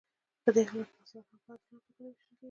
په دې حالت کې محصولات هم په عادلانه توګه نه ویشل کیږي.